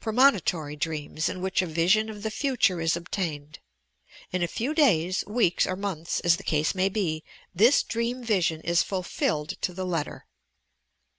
Premonitory dreams in which a vision of the future is obtained. In a few days, weeks or months, as the case may be, this dream vision is fulfilled to the letter.